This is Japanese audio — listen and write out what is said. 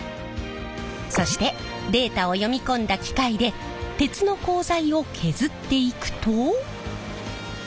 そしてデータを読み込んだ機械で鉄の鋼材を削っていくと。